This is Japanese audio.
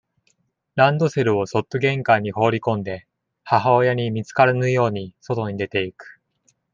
ランドセルをそっと玄関に放りこんで、母親に見つからぬように、外に出ていく。